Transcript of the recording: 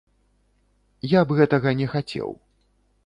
Я б гэтага не хацеў!